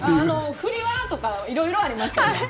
フリは？とかいろいろありましたよね。